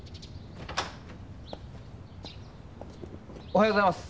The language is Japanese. おはようございます！